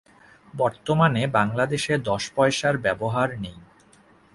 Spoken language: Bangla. বর্তমানে বাংলাদেশে দশ পয়সার ব্যবহার নেই।